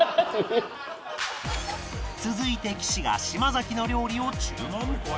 続いて岸が島崎の料理を注文